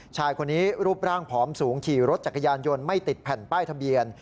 ชายคนนี้รูปร่างผอมสูงขี่รถจักรยานยนต์ไม่ติดแผ่นป้ายทะเบียน